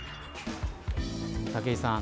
武井さん